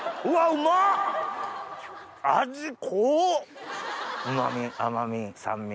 うま味